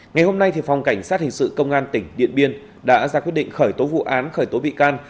ngày hôm nay phòng cảnh sát hình sự công an tỉnh điện biên đã ra quyết định khởi tố vụ án khởi tố bị can